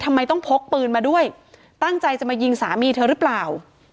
ทำไมต้องพกปืนมาด้วยตั้งใจจะมายิงสามีเธอหรือเปล่า